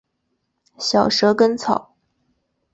小蛇根草